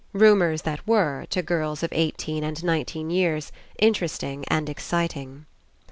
Rumours that were, to girls of eighteen and nineteen years, interesting and exciting.